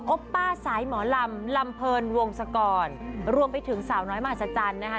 ป้าสายหมอลำลำเพลินวงศกรรวมไปถึงสาวน้อยมหัศจรรย์นะคะ